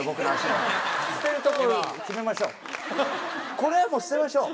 これはもう捨てましょう。